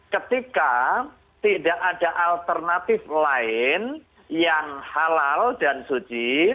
ketika tidak ada alternatif lain yang halal dan suci